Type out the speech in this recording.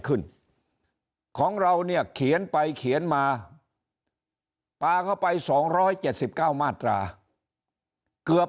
ของเราเนี่ยเขียนไปเขียนมาปลาเข้าไป๒๗๙มาตราเกือบ